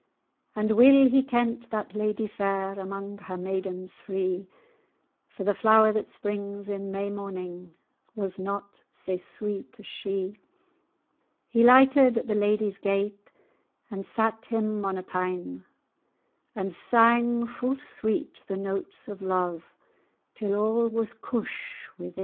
[#] bower. And weel he kent that ladye fair Amang her maidens free, For the flower that springs in May morning Was not sae sweet as she. He lighted at the ladye's yate[#] And sat him on a pin,[#] And sang fu' sweet the notes o' love, Till a' was cosh[#] within. [#] gate.